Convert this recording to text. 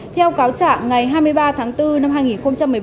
theo cáo trạng ngày hai mươi ba tháng bốn năm hai nghìn một mươi bốn